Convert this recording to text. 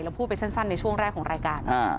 พูดไปสั้นในช่วงแรกของรายการ